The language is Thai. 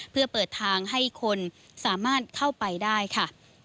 เพื่อเปิดทางให้คนสามารถเข้าไปได้ค่ะ